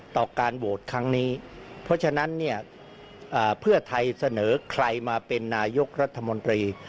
ต่อการโหวตครั้งนี้เพราะฉะนั้นเนี่ยเพื่อไทยเสนอใครมาเป็นนายกรัฐมนตรี